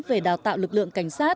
về đào tạo lực lượng cảnh sát